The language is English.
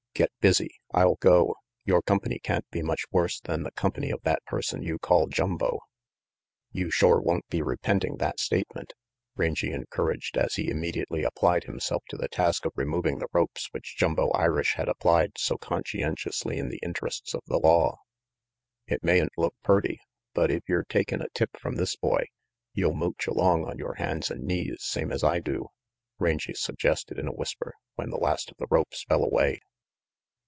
" Get busy. I'll go. Your company can't be much worse than the company of that person you call Jumbo." "You shore won't be repenting that statement," Rangy encouraged as he immediately applied himself RANGY PETE 111 to the task of removing the ropes which Jumbo Irish had applied so conscientiously in the interests of the law. "It mayn't look purty, but if yer takin' a tip from this boy, you'll mooch along on yore hands and knees, same's I do," Rangy suggested in a whisper, when the last of the ropes fell away.